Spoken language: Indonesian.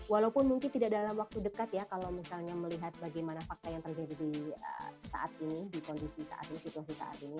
walaupun mungkin tidak dalam waktu dekat ya kalau misalnya melihat bagaimana fakta yang terjadi di saat ini di kondisi saat ini situasi saat ini